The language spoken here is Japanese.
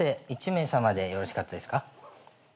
１名さまでよろしかったですか？